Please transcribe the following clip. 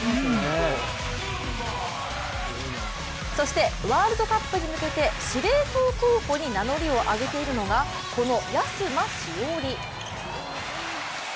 そしてワールドカップに向けて司令塔候補に名乗りを上げているのがこの安間志織。